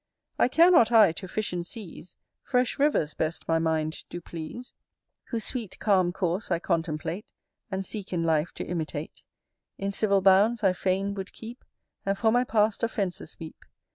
I care not, I, to fish in seas, Fresh rivers best my mind do please, Whose sweet calm course I contemplate, And seek in life to imitate: In civil bounds I fain would keep, And for my past offences weep.